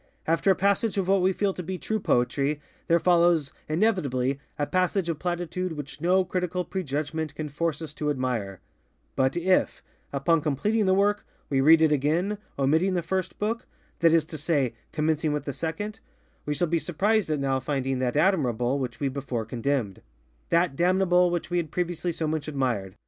After a passage of what we feel to be true poetry, there follows, inevitably, a passage of platitude which no critical prejudgment can force us to admire; but if, upon completing the work, we read it again, omitting the first bookŌĆöthat is to say, commencing with the secondŌĆöwe shall be surprised at now finding that admirable which we before condemnedŌĆöthat damnable which we had previously so much admired.